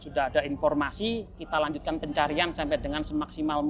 juga mulai terdengar jelas